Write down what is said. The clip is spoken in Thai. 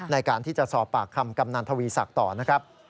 ในการที่จะสอบปากคำกำนันทวีศักดิ์ต่อนะครับ